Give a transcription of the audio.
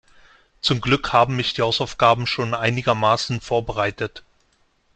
Zum Glück haben mich die Hausaufgaben schon einigermaßen vorbereitet.